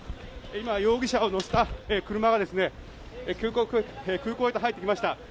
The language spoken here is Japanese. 容疑者を乗せた車が空港へと入ってきました。